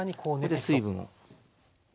ここで水分を。